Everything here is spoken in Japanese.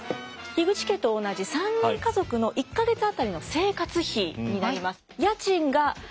口家と同じ３人家族の１か月当たりの生活費になります。